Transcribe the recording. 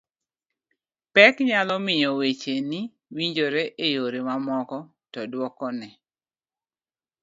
pek nyalo miyo weche ni winjre e yore mamoko to duokone